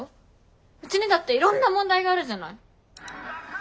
うちにだっていろんな問題があるじゃない。